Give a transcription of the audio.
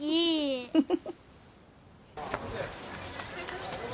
フフフフ。